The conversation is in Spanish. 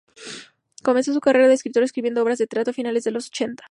Comenzó su carrera de escritor, escribiendo obras de teatro a finales de los ochenta.